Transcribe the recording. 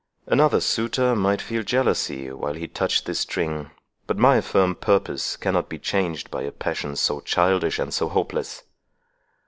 Another suitor might feel jealousy while he touched this string; but my firm purpose cannot be changed by a passion so childish and so hopeless.